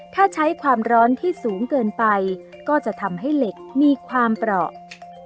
ถ้าใช้ความร้อนที่สูงเกินไปก็จะทำให้เหล็กมีความเปราะ